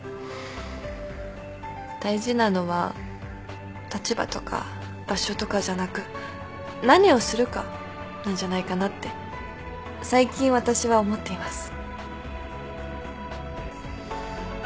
大事なのは立場とか場所とかじゃなく何をするかなんじゃないかなって最近私は思っています。